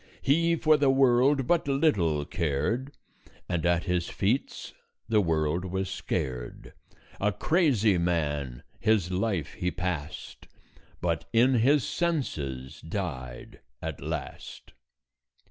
He for the world but little cared, And at his feats the world was scared; A crazy man his life he passed, But in his senses died at last."